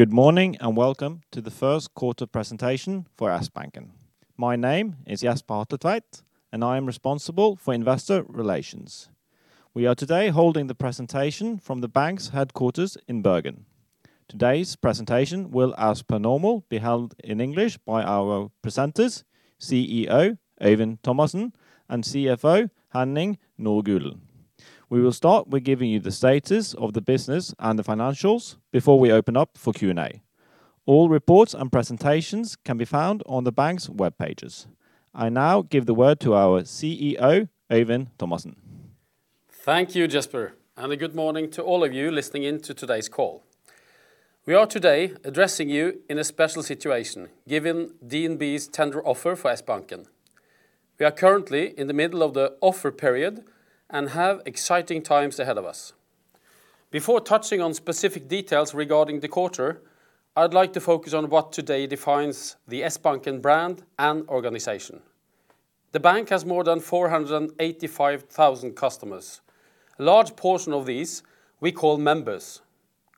Good morning, and welcome to the first quarter presentation for Sbanken. My name is Jesper Hatletveit, and I am responsible for investor relations. We are today holding the presentation from the bank's headquarters in Bergen. Today's presentation will, as per normal, be held in English by our presenters, CEO Øyvind Thomassen, and CFO Henning Nordgulen. We will start with giving you the status of the business and the financials before we open up for Q&A. All reports and presentations can be found on the bank's web pages. I now give the word to our CEO, Øyvind Thomassen. Thank you, Jesper, a good morning to all of you listening in to today's call. We are today addressing you in a special situation, given DNB's tender offer for Sbanken. We are currently in the middle of the offer period and have exciting times ahead of us. Before touching on specific details regarding the quarter, I'd like to focus on what today defines the Sbanken brand and organization. The bank has more than 485,000 customers. A large portion of these, we call members,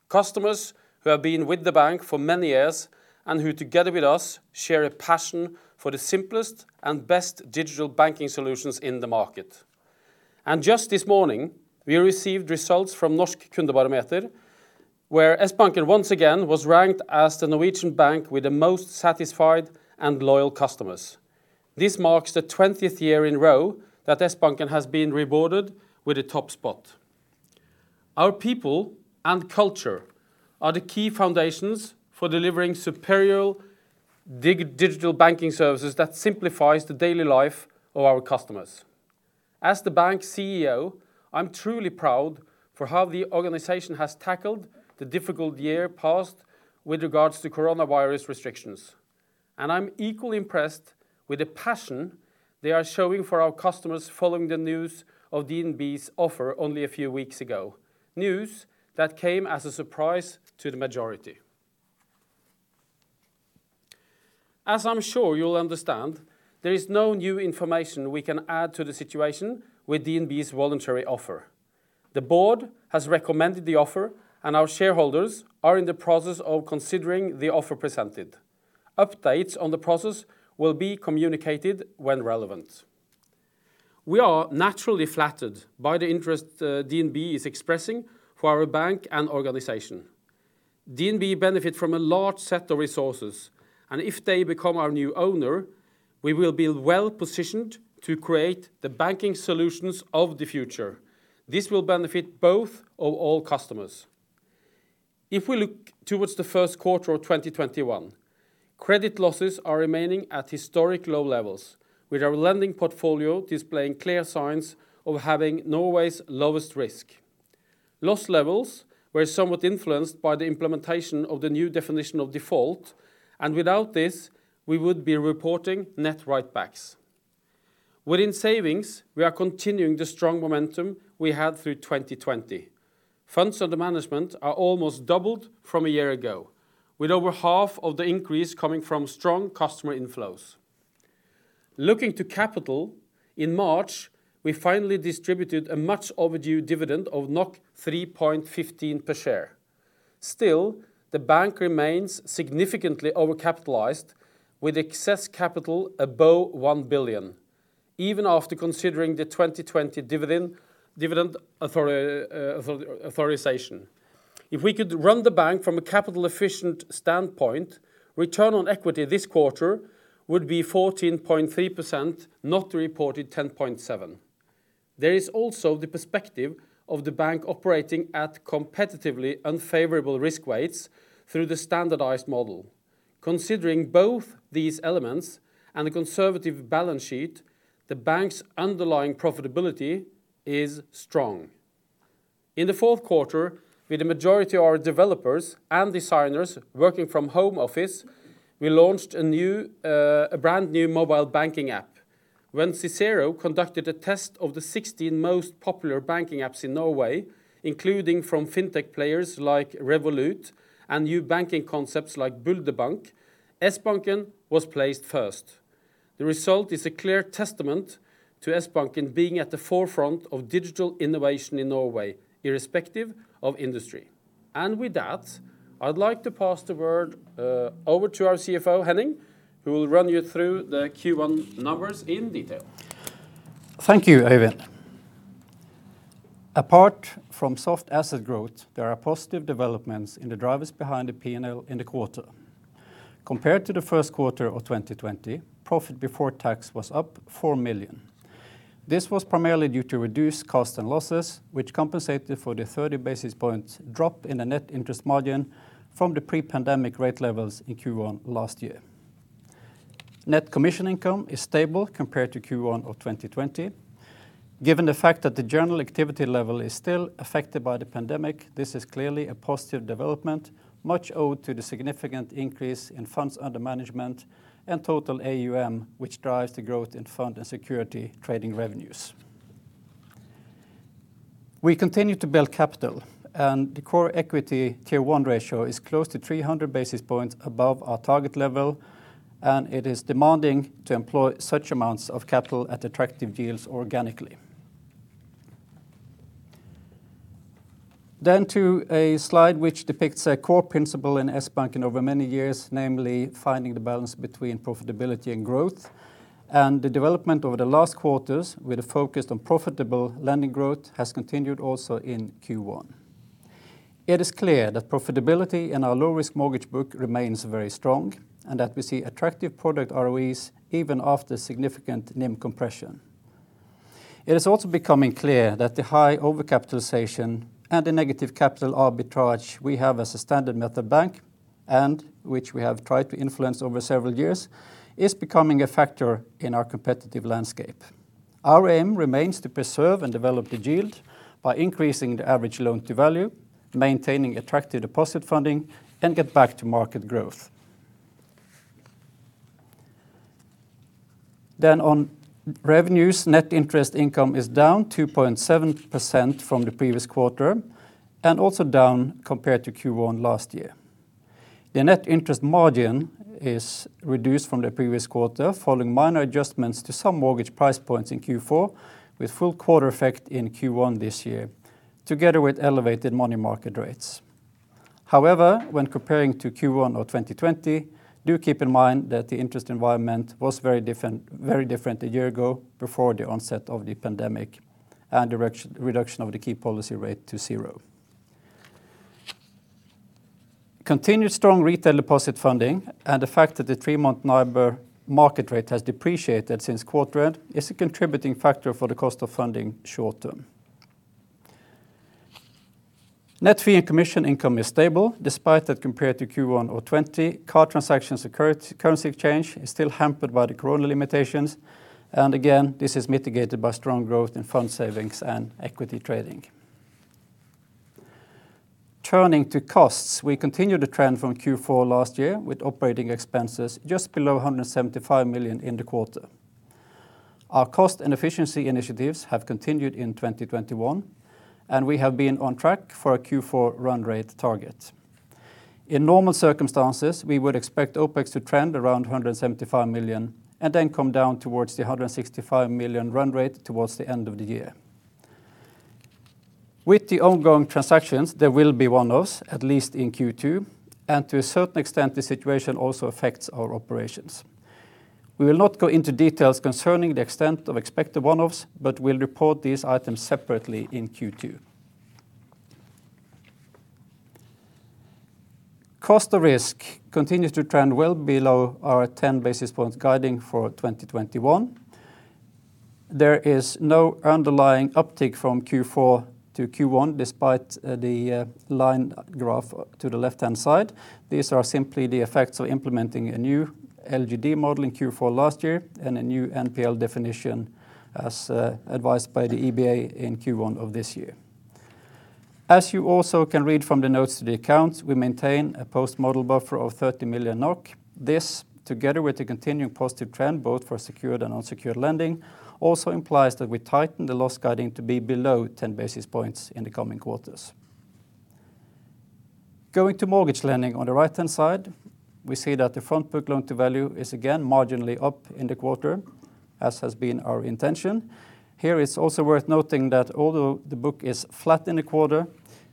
customers who have been with the bank for many years and who, together with us, share a passion for the simplest and best digital banking solutions in the market. Just this morning, we received results from Norsk Kundebarometer, where Sbanken once again was ranked as the Norwegian bank with the most satisfied and loyal customers. This marks the 20th year in a row that Sbanken has been rewarded with the top spot. Our people and culture are the key foundations for delivering superior digital banking services that simplifies the daily life of our customers. As the bank's CEO, I'm truly proud for how the organization has tackled the difficult year past with regards to coronavirus restrictions, and I'm equally impressed with the passion they are showing for our customers following the news of DNB's offer only a few weeks ago, news that came as a surprise to the majority. As I'm sure you'll understand, there is no new information we can add to the situation with DNB's voluntary offer. The board has recommended the offer, and our shareholders are in the process of considering the offer presented. Updates on the process will be communicated when relevant. We are naturally flattered by the interest that DNB is expressing for our bank and organization. DNB benefit from a large set of resources, and if they become our new owner, we will be well-positioned to create the banking solutions of the future. This will benefit both of all customers. If we look towards the first quarter of 2021, credit losses are remaining at historic low levels, with our lending portfolio displaying clear signs of having Norway's lowest risk. Loss levels were somewhat influenced by the implementation of the new definition of default, and without this, we would be reporting net write-backs. Within savings, we are continuing the strong momentum we had through 2020. Funds under management are almost doubled from a year ago, with over half of the increase coming from strong customer inflows. Looking to capital, in March, we finally distributed a much overdue dividend of 3.15 per share. Still, the bank remains significantly overcapitalized, with excess capital above 1 billion, even after considering the 2020 dividend authorization. If we could run the bank from a capital efficient standpoint, return on equity this quarter would be 14.3%, not the reported 10.7%. There is also the perspective of the bank operating at competitively unfavorable risk weights through the standardized model. Considering both these elements and a conservative balance sheet, the bank's underlying profitability is strong. In the fourth quarter, with the majority of our developers and designers working from home office, we launched a brand new mobile banking app. When Cicero conducted a test of the 16 most popular banking apps in Norway, including from fintech players like Revolut and new banking concepts like Bulder Bank, Sbanken was placed first. The result is a clear testament to Sbanken being at the forefront of digital innovation in Norway, irrespective of industry. With that, I'd like to pass the word over to our CFO, Henning, who will run you through the Q1 numbers in detail. Thank you, Øyvind. Apart from soft asset growth, there are positive developments in the drivers behind the P&L in the quarter. Compared to the first quarter of 2020, profit before tax was up 4 million. This was primarily due to reduced cost and losses, which compensated for the 30 basis points drop in the net interest margin from the pre-pandemic rate levels in Q1 last year. Net commission income is stable compared to Q1 of 2020. Given the fact that the general activity level is still affected by the pandemic, this is clearly a positive development, much owed to the significant increase in funds under management and total AUM, which drives the growth in fund and security trading revenues. We continue to build capital, and the core equity Tier 1 ratio is close to 300 basis points above our target level, and it is demanding to employ such amounts of capital at attractive deals organically. To a slide which depicts a core principle in Sbanken over many years, namely finding the balance between profitability and growth. The development over the last quarters, with a focus on profitable lending growth, has continued also in Q1. It is clear that profitability in our low-risk mortgage book remains very strong, and that we see attractive product ROEs even after significant NIM compression. It is also becoming clear that the high over-capitalization and the negative capital arbitrage we have as a standard method bank, and which we have tried to influence over several years, is becoming a factor in our competitive landscape. Our aim remains to preserve and develop the yield by increasing the average loan-to-value, maintaining attractive deposit funding, and get back to market growth. On revenues, net interest income is down 2.7% from the previous quarter, and also down compared to Q1 last year. The net interest margin is reduced from the previous quarter, following minor adjustments to some mortgage price points in Q4 with full quarter effect in Q1 this year, together with elevated money market rates. When comparing to Q1 of 2020, do keep in mind that the interest environment was very different a year ago before the onset of the pandemic and the reduction of the key policy rate to zero. Continued strong retail deposit funding and the fact that the three-month NIBOR market rate has depreciated since quarter end is a contributing factor for the cost of funding short term. Net fee and commission income is stable, despite that compared to Q1 2020, card transactions and currency exchange is still hampered by the corona limitations, and again, this is mitigated by strong growth in fund savings and equity trading. Turning to costs, we continue the trend from Q4 last year with operating expenses just below 175 million in the quarter. Our cost and efficiency initiatives have continued in 2021, and we have been on track for a Q4 run rate target. In normal circumstances, we would expect OPEX to trend around 175 million and then come down towards the 165 million run rate towards the end of the year. With the ongoing transactions, there will be one-offs, at least in Q2, and to a certain extent the situation also affects our operations. We will not go into details concerning the extent of expected one-offs, but we'll report these items separately in Q2. Cost of risk continues to trend well below our 10 basis points guiding for 2021. There is no underlying uptick from Q4 to Q1 despite the line graph to the left-hand side. These are simply the effects of implementing a new LGD model in Q4 last year and a new NPL definition as advised by the EBA in Q1 of this year. As you also can read from the notes to the accounts, we maintain a post-model buffer of 30 million NOK. This, together with the continuing positive trend both for secured and unsecured lending, also implies that we tighten the loss guiding to be below 10 basis points in the coming quarters. Going to mortgage lending on the right-hand side, we see that the front-book loan-to-value is again marginally up in the quarter, as has been our intention. Here it's also worth noting that although the book is flat in the quarter,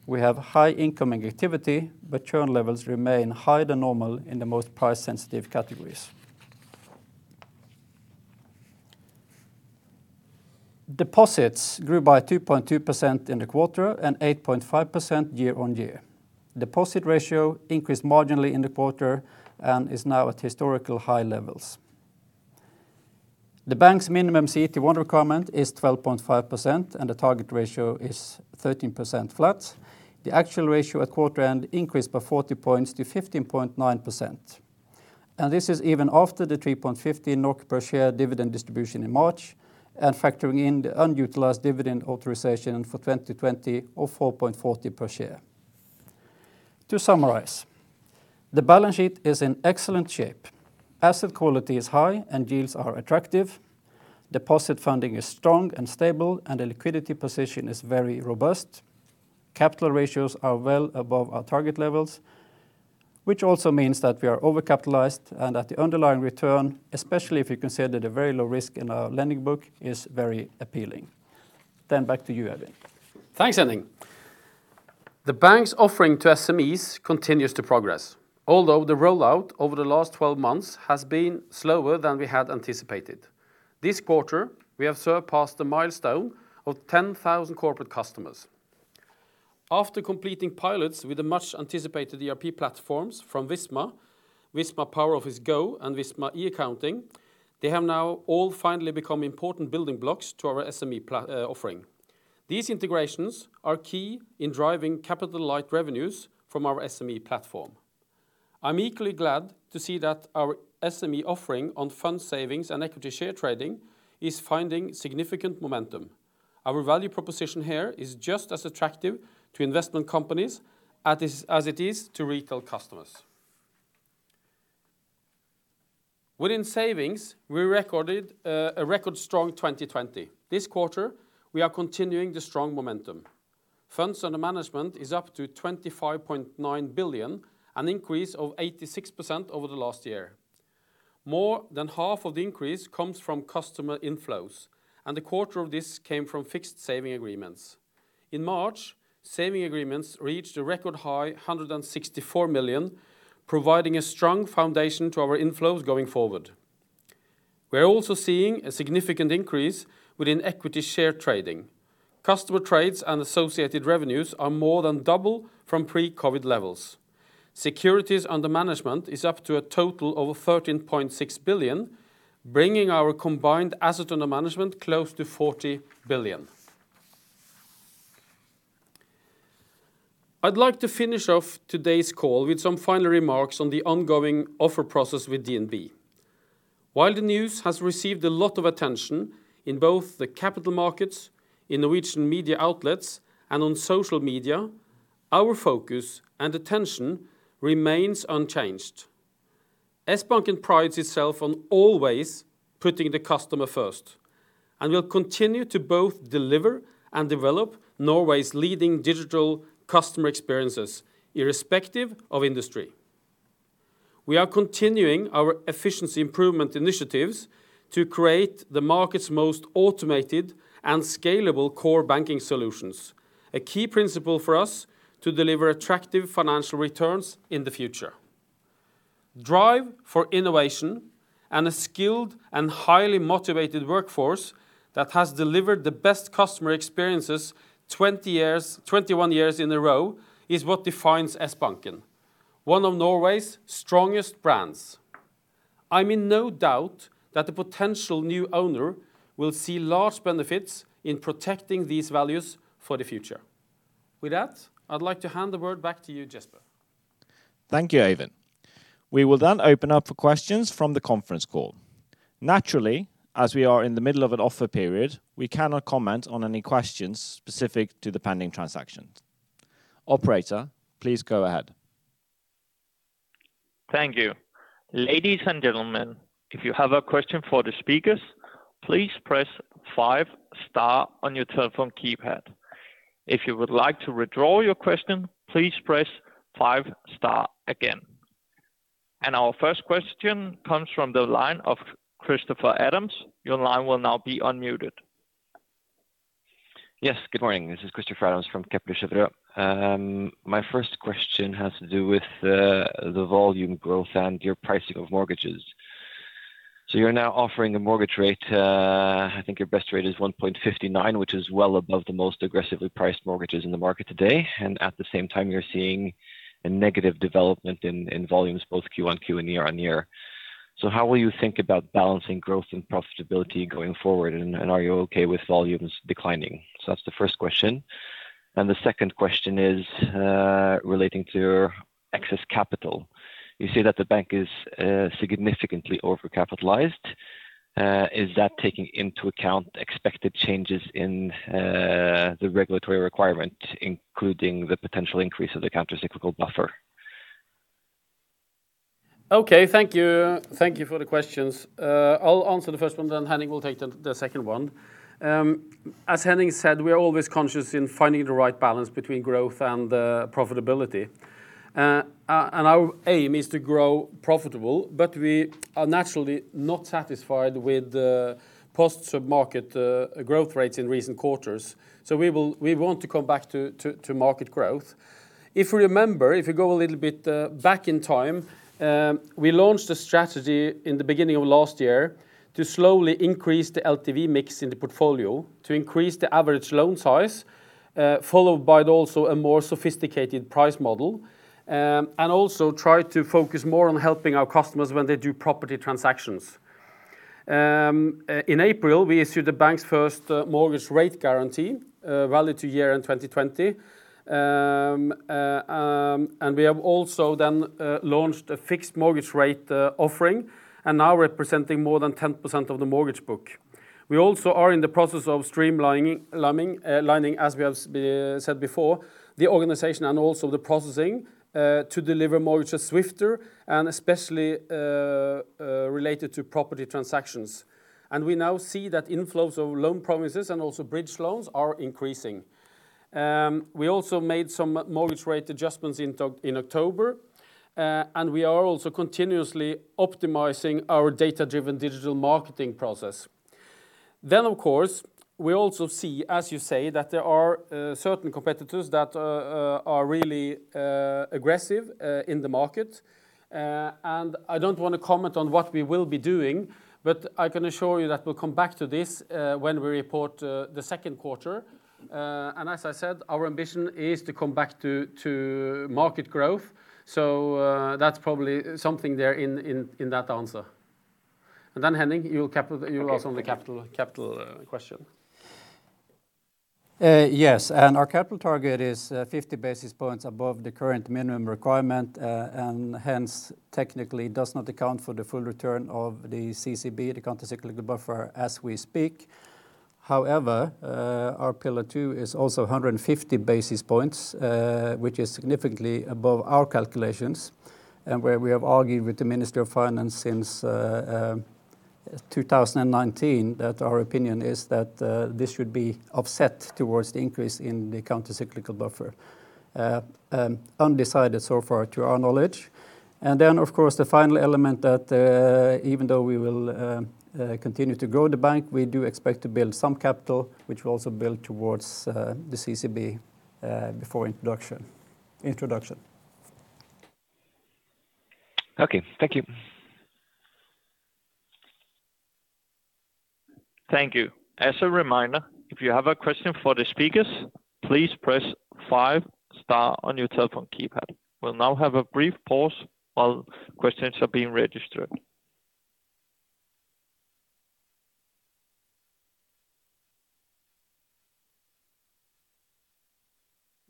we have high incoming activity, but churn levels remain higher than normal in the most price-sensitive categories. Deposits grew by 2.2% in the quarter and 8.5% year on year. Deposit ratio increased marginally in the quarter and is now at historical high levels. The bank's minimum CET1 requirement is 12.5%, and the target ratio is 13% flat. The actual ratio at quarter end increased by 40 points to 15.9%. This is even after the 3.15 NOK per share dividend distribution in March and factoring in the unutilized dividend authorization for 2020 of 4.40 per share. To summarize, the balance sheet is in excellent shape. Asset quality is high, and yields are attractive. Deposit funding is strong and stable, and the liquidity position is very robust. Capital ratios are well above our target levels, which also means that we are over-capitalized and that the underlying ROE, especially if you consider the very low risk in our lending book, is very appealing. Back to you, Øyvind. Thanks, Henning. The bank's offering to SMEs continues to progress, although the rollout over the last 12 months has been slower than we had anticipated. This quarter, we have surpassed the milestone of 10,000 corporate customers. After completing pilots with the much-anticipated ERP platforms from Visma PowerOffice GO, and Visma eAccounting, they have now all finally become important building blocks to our SME offering. These integrations are key in driving capital-light revenues from our SME platform. I'm equally glad to see that our SME offering on fund savings and equity share trading is finding significant momentum. Our value proposition here is just as attractive to investment companies as it is to retail customers. Within savings, we recorded a record strong 2020. This quarter, we are continuing the strong momentum. Funds under management is up to 25.9 billion, an increase of 86% over the last year. More than half of the increase comes from customer inflows, and a quarter of this came from fixed saving agreements. In March, saving agreements reached a record high 164 million, providing a strong foundation to our inflows going forward. We're also seeing a significant increase within equity share trading. Customer trades and associated revenues are more than double from pre-COVID levels. Securities under management is up to a total of 13.6 billion, bringing our combined assets under management close to 40 billion. I'd like to finish off today's call with some final remarks on the ongoing offer process with DNB. While the news has received a lot of attention in both the capital markets, in Norwegian media outlets, and on social media, our focus and attention remains unchanged. Sbanken prides itself on always putting the customer first and will continue to both deliver and develop Norway's leading digital customer experiences, irrespective of industry. We are continuing our efficiency improvement initiatives to create the market's most automated and scalable core banking solutions, a key principle for us to deliver attractive financial returns in the future. Drive for innovation and a skilled and highly motivated workforce that has delivered the best customer experiences 21 years in a row is what defines Sbanken, one of Norway's strongest brands. I'm in no doubt that a potential new owner will see large benefits in protecting these values for the future. With that, I'd like to hand the word back to you, Jesper. Thank you, Øyvind. We will open up for questions from the conference call. Naturally, as we are in the middle of an offer period, we cannot comment on any questions specific to the pending transactions. Operator, please go ahead. Thank you. Ladies and gentlemen, if you have a question for the speakers, please press five star on your telephone keypad. If you would like to withdraw your question, please press five star again. Our first question comes from the line of Christoffer Adams. Your line will now be unmuted. Yes, good morning. This is Christoffer Adams from Kepler Cheuvreux. My first question has to do with the volume growth and your pricing of mortgages. You're now offering a mortgage rate, I think your best rate is 1.59, which is well above the most aggressively priced mortgages in the market today. At the same time, you're seeing a negative development in volumes, both quarter-on-quarter and year-on-year. How will you think about balancing growth and profitability going forward, and are you okay with volumes declining? That's the first question. The second question is relating to your excess capital. You say that the bank is significantly overcapitalized. Is that taking into account expected changes in the regulatory requirement, including the potential increase of the countercyclical buffer? Okay. Thank you. Thank you for the questions. I'll answer the first one, Henning will take the second one. As Henning said, we're always conscious in finding the right balance between growth and profitability. Our aim is to grow profitable, we are naturally not satisfied with the past sub-market growth rates in recent quarters. We want to come back to market growth. If you remember, if you go a little bit back in time, we launched a strategy in the beginning of last year to slowly increase the LTV mix in the portfolio to increase the average loan size, followed by also a more sophisticated price model. Also try to focus more on helping our customers when they do property transactions. In April, we issued the bank's first mortgage rate guarantee, valid to year-end 2020. We have also then launched a fixed mortgage rate offering, now representing more than 10% of the mortgage book. We also are in the process of streamlining, as we have said before, the organization and also the processing to deliver mortgages swifter and especially related to property transactions. We now see that inflows of loan promises and also bridge loans are increasing. We also made some mortgage rate adjustments in October, and we are also continuously optimizing our data-driven digital marketing process. Of course, we also see, as you say, that there are certain competitors that are really aggressive in the market. I don't want to comment on what we will be doing, but I can assure you that we'll come back to this when we report the second quarter. As I said, our ambition is to come back to market growth. That's probably something there in that answer. Henning, you also on the capital question. Our capital target is 50 basis points above the current minimum requirement, and hence, technically does not account for the full return of the CCyB, the countercyclical buffer, as we speak. However, our Pillar 2 is also 150 basis points, which is significantly above our calculations, and where we have argued with the Ministry of Finance since 2019, that our opinion is that this should be offset towards the increase in the countercyclical buffer. Undecided so far to our knowledge. Of course, the final element that even though we will continue to grow the bank, we do expect to build some capital, which will also build towards the CCyB before introduction. Okay. Thank you. Thank you. As a reminder, if you have a question for the speakers, please press five star on your telephone keypad. We'll now have a brief pause while questions are being registered.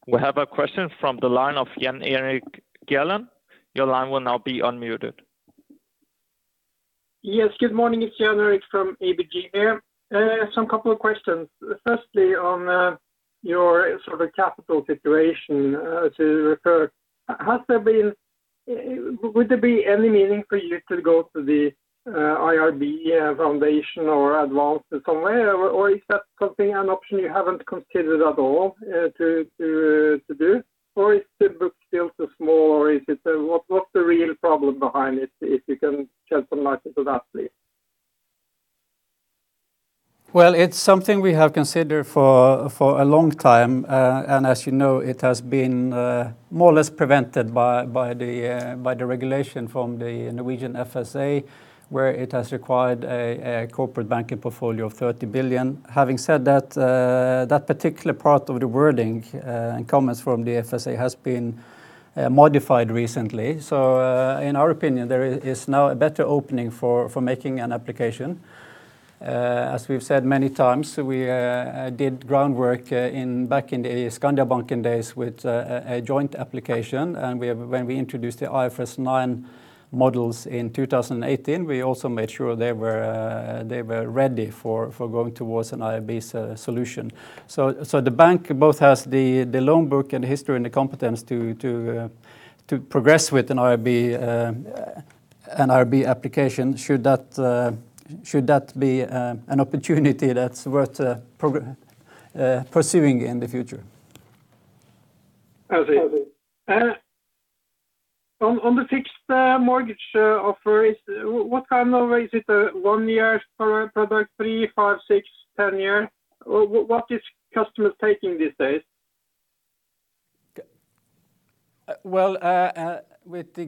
We have a question from the line of Jan Erik Gjerland. Your line will now be unmuted. Yes, good morning. It's Jan Erik from ABG here. Some couple of questions. Firstly, on your capital situation to refer, would there be any meaning for you to go to the IRB Foundation or Advanced somewhere? Is that an option you haven't considered at all to do? Is the book still too small? What's the real problem behind it, if you can shed some light into that, please. It's something we have considered for a long time. As you know, it has been more or less prevented by the regulation from the Norwegian FSA, where it has required a corporate banking portfolio of 30 billion. Having said that particular part of the wording and comments from the FSA has been modified recently. In our opinion, there is now a better opening for making an application. As we've said many times, we did groundwork back in the Skandiabanken days with a joint application. When we introduced the IFRS 9 models in 2018, we also made sure they were ready for going towards an IRB solution. The bank both has the loan book and the history and the competence to progress with an IRB application, should that be an opportunity that's worth pursuing in the future. I see. On the fixed mortgage offer, what kind of rate is it? A one-year product, three, five, six, 10-year? What is customers taking these days? Well,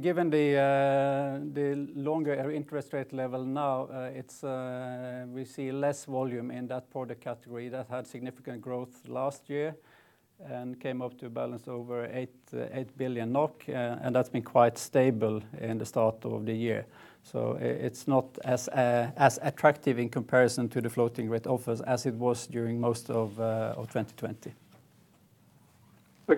given the longer interest rate level now, we see less volume in that product category. That had significant growth last year and came up to balance over 8 billion NOK, and that's been quite stable in the start of the year. It's not as attractive in comparison to the floating rate offers as it was during most of 2020.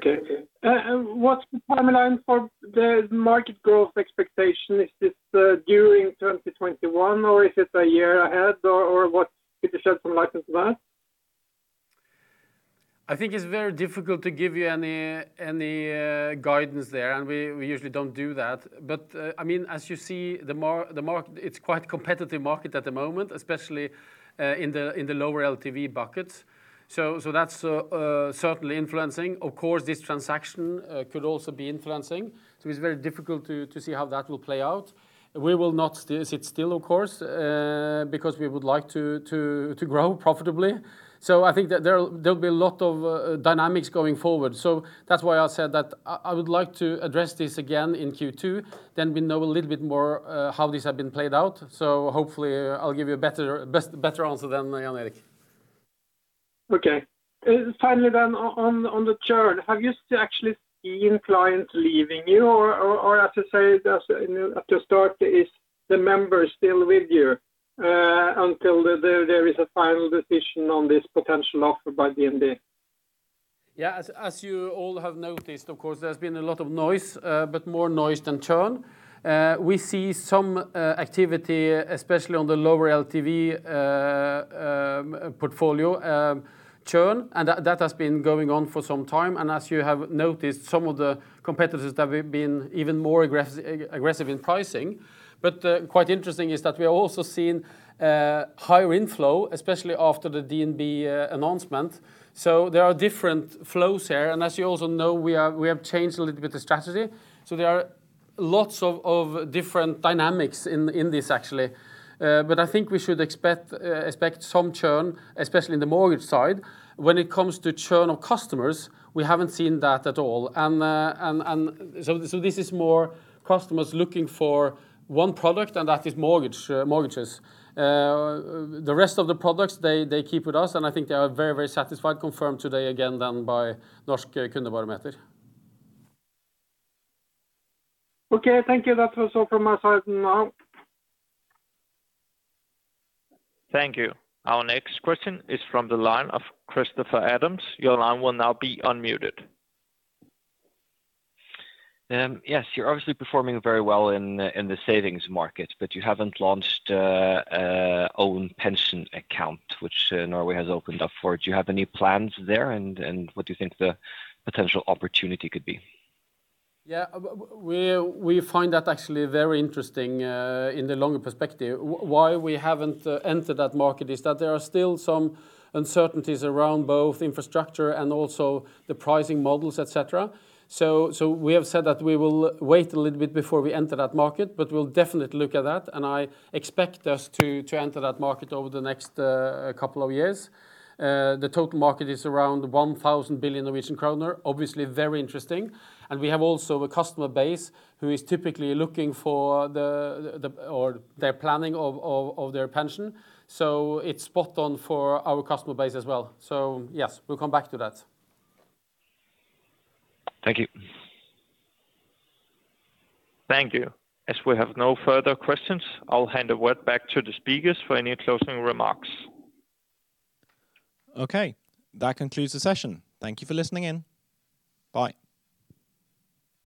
What's the timeline for the market growth expectation? Is this during 2021, or is it a year ahead, or could you shed some light into that? I think it's very difficult to give you any guidance there. We usually don't do that. As you see, it's quite competitive market at the moment, especially in the lower LTV buckets. That's certainly influencing. Of course, this transaction could also be influencing. It's very difficult to see how that will play out. We will not sit still, of course, because we would like to grow profitably. I think that there'll be a lot of dynamics going forward. That's why I said that I would like to address this again in Q2. Then we know a little bit more how this have been played out. Hopefully I'll give you a better answer then, Jan Erik. Okay. Finally, on the churn, have you actually seen clients leaving you? As you said at the start, is the members still with you until there is a final decision on this potential offer by DNB? Yeah, as you all have noticed, of course, there's been a lot of noise. More noise than churn. We see some activity, especially on the lower LTV portfolio churn, and that has been going on for some time. As you have noticed, some of the competitors have been even more aggressive in pricing. Quite interesting is that we are also seeing higher inflow, especially after the DNB announcement. There are different flows here. As you also know, we have changed a little bit the strategy. There are lots of different dynamics in this, actually. I think we should expect some churn, especially in the mortgage side. When it comes to churn of customers, we haven't seen that at all. This is more customers looking for one product, and that is mortgages. The rest of the products, they keep with us, and I think they are very, very satisfied, confirmed today again then by Norsk Kundebarometer. Okay, thank you. That was all from my side now. Thank you. Our next question is from the line of Christoffer Adams. Your line will now be unmuted. Yes. You're obviously performing very well in the savings market, but you haven't launched own pension account, which Norway has opened up for. Do you have any plans there? What do you think the potential opportunity could be? Yeah. We find that actually very interesting in the longer perspective. Why we haven't entered that market is that there are still some uncertainties around both infrastructure and also the pricing models, et cetera. We have said that we will wait a little bit before we enter that market, but we'll definitely look at that, and I expect us to enter that market over the next couple of years. The total market is around 1 trillion Norwegian kroner. Obviously very interesting. We have also a customer base who is typically looking for the, or they're planning of their pension. It's spot on for our customer base as well. Yes, we'll come back to that. Thank you. Thank you. As we have no further questions, I'll hand the word back to the speakers for any closing remarks. Okay. That concludes the session. Thank you for listening in. Bye.